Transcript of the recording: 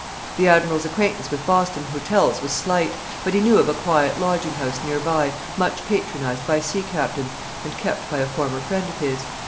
The Admiral's acquaintance with Boston hotels was slight; but he knew of a quiet lodging house near by, much patronized by sea captains, and kept by a former friend of his.